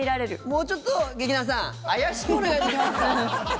もうちょっと劇団さん怪しくお願いできますか？